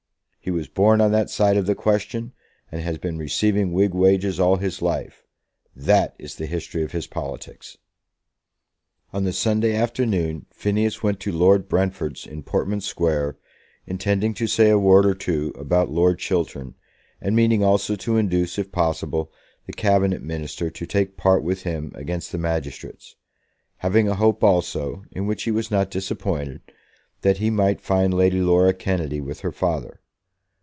"He was born on that side of the question, and has been receiving Whig wages all his life. That is the history of his politics!" On the Sunday afternoon Phineas went to Lord Brentford's in Portman Square, intending to say a word or two about Lord Chiltern, and meaning also to induce, if possible, the Cabinet Minister to take part with him against the magistrates, having a hope also, in which he was not disappointed, that he might find Lady Laura Kennedy with her father.